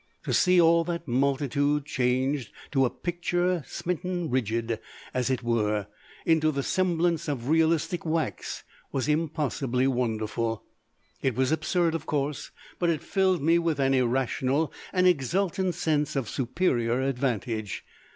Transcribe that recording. To see all that multitude changed, to a picture, smitten rigid, as it were, into the semblance of realistic wax, was impossibly wonderful. It was absurd, of course; but it filled me with an irrational, an exultant sense of superior advantage.